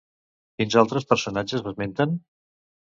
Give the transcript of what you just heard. Quins altres personatges esmenten?